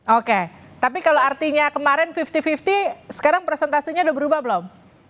oke tapi kalau artinya kemarin lima puluh lima puluh sekarang presentasinya udah berubah belum